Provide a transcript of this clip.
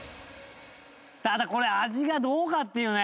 ただこれ味がどうかっていうね。